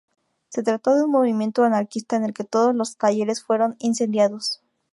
Se trató de un movimiento anarquista, en el que todos los talleres fueron incendiados.